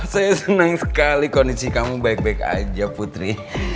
saya senang sekali kondisi kamu baik baik aja putri